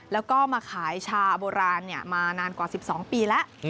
แล้วก็มาขายชาโบราณมานานกว่า๑๒ปีแล้ว